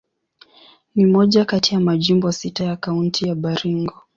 Ni moja kati ya majimbo sita ya Kaunti ya Baringo.